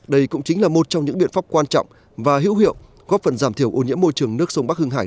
đây cũng chính là một trong những biện pháp quan trọng và hữu hiệu góp phần giảm thiểu ô nhiễm môi trường nước sông bắc hưng hải